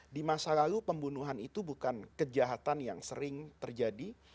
di masa lalu pembunuhan itu bukan kejahatan yang sering terjadi